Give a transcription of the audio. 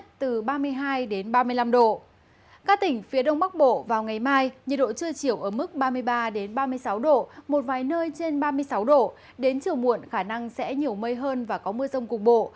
từ hai mươi sáu độ một vài nơi trên ba mươi sáu độ đến chiều muộn khả năng sẽ nhiều mây hơn và có mưa rông cục bộ